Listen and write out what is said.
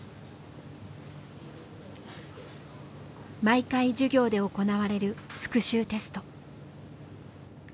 毎回授業で行われる復習テスト。